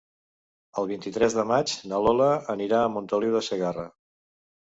El vint-i-tres de maig na Lola anirà a Montoliu de Segarra.